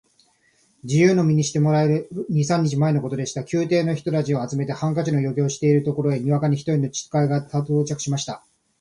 自由の身にしてもらえる二三日前のことでした。宮廷の人たちを集めて、ハンカチの余興をしているところへ、にわかに一人の使が到着しました。